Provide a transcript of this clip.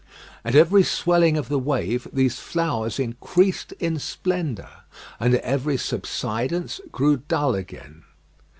At every swelling of the wave these flowers increased in splendour, and at every subsidence grew dull again.